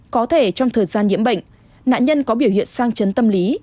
có thể trong thời gian nhiễm bệnh nạn nhân có biểu hiện sang chấn tâm lý